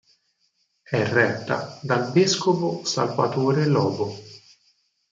È retta dal vescovo Salvadore Lobo.